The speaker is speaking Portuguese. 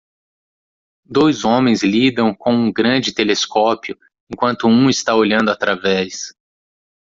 Dois homens lidam com um grande telescópio enquanto um está olhando através